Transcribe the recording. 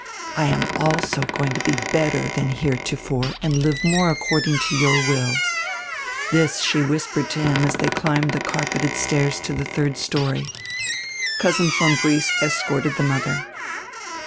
I am also going to be better than heretofore and live more according to your will." This she whispered to him as diey climbed die carpeted stairs to die third story. Cousin von Briest escorted die mother.